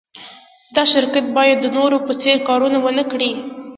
دا شرکت باید د نورو په څېر کارونه و نهکړي